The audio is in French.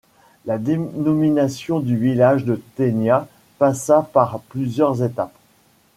La dénomination du village de Thénia passa par plusieurs étapes.